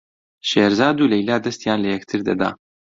شێرزاد و لەیلا دەستیان لە یەکتر دەدا.